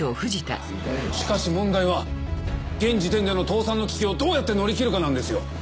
しかし問題は現時点での倒産の危機をどうやって乗り切るかなんですよ。